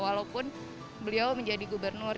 walaupun beliau menjadi gubernur